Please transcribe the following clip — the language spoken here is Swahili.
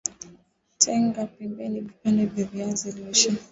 Tenga pembeni vipande vya viazi lishe